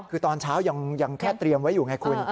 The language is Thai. คือตอนเช้ายังแค่เตรียมไว้อยู่ไงคุณ